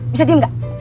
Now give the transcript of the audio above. bisa diem gak